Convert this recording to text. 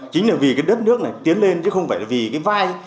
chính là vì cái đất nước này tiến lên chứ không phải là vì cái vai